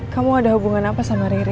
kamu ada hubungan apa sama riri